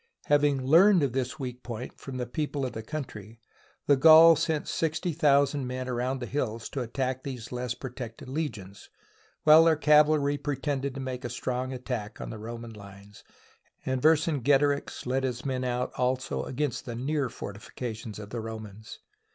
Having learned of this weak point from the people of the country, the Gauls sent sixty thousand men around the hills to attack these less protected legions, while their cav alry pretended to make a strong attack on the Ro man lines, and Vercingetorix led his men out also against the near fortifications of the Romans.